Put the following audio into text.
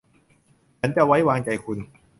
ฉันจะไว้วางใจคุณ